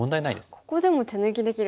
ここでも手抜きできるんですか。